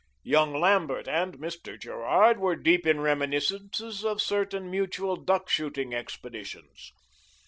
Young Lambert and Mr. Gerard were deep in reminiscences of certain mutual duck shooting expeditions.